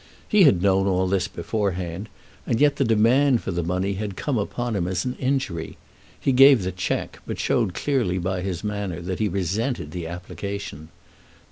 He had known all this beforehand, and yet the demand for the money had come upon him as an injury. He gave the cheque, but showed clearly by his manner that he resented the application.